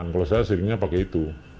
kalau saya seringnya pakai itu